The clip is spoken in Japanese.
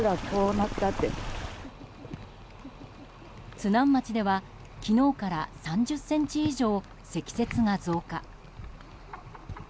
津南町では昨日から３０ｃｍ以上積雪が増加。